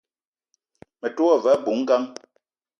Me te wa ve abui-ngang